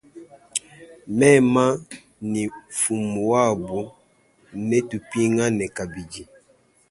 Mema ni mfumu wabu netupingane kabidi.